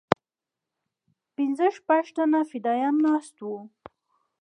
پنځه شپږ تنه فدايان ناست وو.